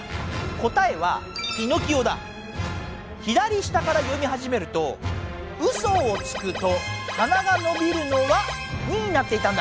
答えは左下から読みはじめると「うそをつくとはながのびるのは？」になっていたんだ！